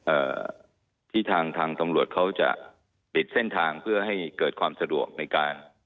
เอ่อที่ทางทางตำรวจเขาจะปิดเส้นทางเพื่อให้เกิดความสะดวกในการ